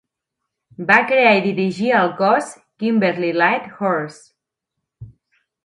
Va crear i dirigir el cos Kimberley Light Horse.